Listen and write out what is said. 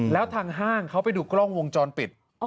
แล้วทางห้างเขาไปดูกล้องวงจรปิด